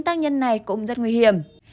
tác nhân này cũng rất nguy hiểm